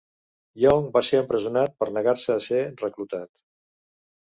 Young va ser empresonat per negar-se a ser reclutat.